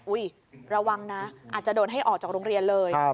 ระวังนะอาจจะโดนให้ออกจากโรงเรียนเลย